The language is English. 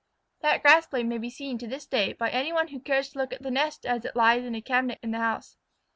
That grass blade may be seen to this day by any one who cares to look at the nest as it lies in a cabinet in the house.